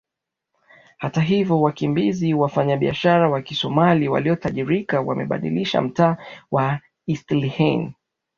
Hata hivyo wakimbizi wafanyabiashara wa Kisomali waliotajirika wamebadilisha mtaa wa Eastleigh